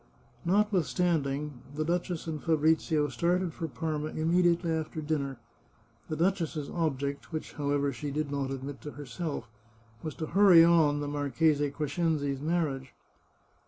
Notwithstanding, the duchess and Fabrizio started for Parma immediately after dinner ; the duchess's object, which, however, she did not admit to herself, was to hurry on the Marchese Cres cenzi's marriage.